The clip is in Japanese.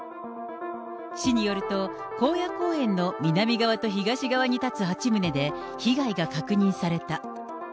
市によると、興野公園の南側と東側に建つ８棟で被害が確認された。